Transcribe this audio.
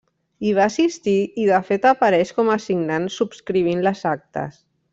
Hi va assistir i de fet apareix com a signant subscrivint les actes.